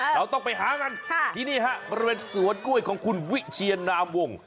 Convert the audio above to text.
เราต้องไปหากันที่นี่ฮะบริเวณสวนกล้วยของคุณวิเชียนนามวง